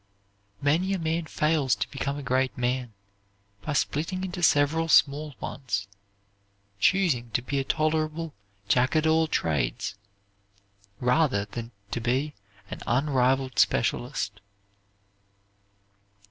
Many a man fails to become a great man, by splitting into several small ones, choosing to be a tolerable Jack at all trades, rather than to be an unrivalled specialist.